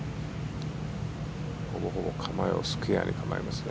ほぼほぼ構えはスクエアに構えますね。